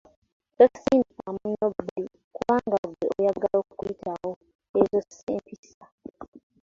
Tosindika munno bbali kubanga ggwe oyagala kuyitawo, ezo si mpisa.